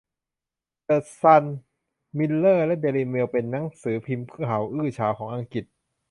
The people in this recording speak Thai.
เดอะซัน มิลเลอร์และเดลิเมลเป็นหนังสือพิมพ์ข่าวอื้อฉาวของอังกฤษ